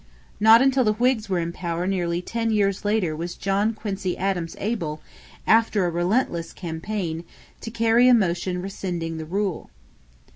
Not until the Whigs were in power nearly ten years later was John Quincy Adams able, after a relentless campaign, to carry a motion rescinding the rule.